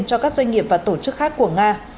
cho các doanh nghiệp và tổ chức khác của nga